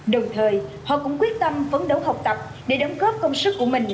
đồng thời họ cũng quyết tâm phấn đấu học tập để đóng góp công sức của mình